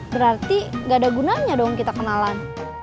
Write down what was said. berarti gak ada gunanya dong kita kenalan